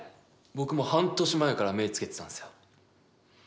僕も半年前から目ぇつけてたんですよ。